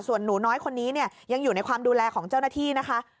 ส่วนหนูน้อยคนนี้เนี่ยยังอยู่ในความดูแลของเจ้าหน้าที่นะคะ